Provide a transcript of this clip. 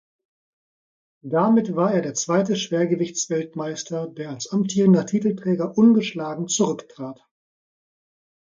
Damit war er der zweite Schwergewichtsweltmeister, der als amtierender Titelträger ungeschlagen zurücktrat.